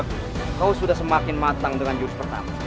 dan kau sudah semakin matang dengan jurus pertama